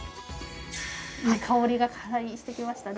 いい香りがかなりしてきましたね